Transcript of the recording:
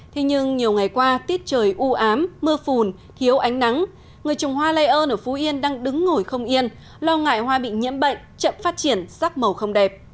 thế nhưng nhiều ngày qua tiết trời ưu ám mưa phùn thiếu ánh nắng người trồng hoa lây ơn ở phú yên đang đứng ngồi không yên lo ngại hoa bị nhiễm bệnh chậm phát triển sắc màu không đẹp